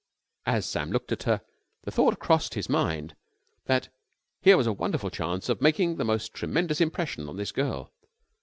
As Sam looked at her the thought crossed his mind that here was a wonderful chance of making the most tremendous impression on this girl.